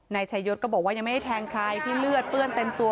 นายชายศก็บอกว่ายังไม่ได้แทงใครที่เลือดเปื้อนเต็มตัว